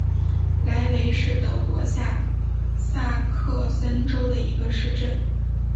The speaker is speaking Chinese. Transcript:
莱雷是德国下萨克森州的一个市镇。